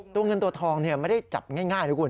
ตัวเงินตัวทองไม่ได้จับง่ายนะคุณ